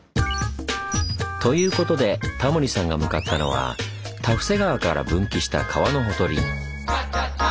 ということでタモリさんが向かったのは多布施川から分岐した川のほとり。